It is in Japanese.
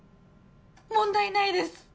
問題ないです！